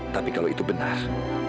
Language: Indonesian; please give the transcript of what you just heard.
tapi kalau itu benar